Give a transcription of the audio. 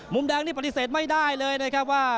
มุมแดงนี่ปฏิเสธไม่ได้เลยนะครับว่า